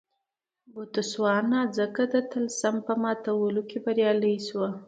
بوتسوانا ځکه د طلسم په ماتولو کې بریالۍ شوه.